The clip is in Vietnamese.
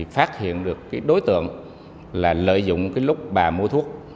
phát hiện được đối tượng lợi dụng lúc bà mua thuốc